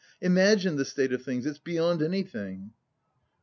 Imagine the state of things! It's beyond anything!"